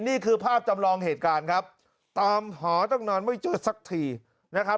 นี่คือภาพจำลองเหตุการณ์ครับตามหอต้องนอนไม่เจอสักทีนะครับ